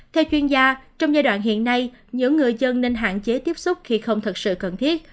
theo chuyên gia trong giai đoạn hiện nay những người dân nên hạn chế tiếp xúc khi không thật sự cần thiết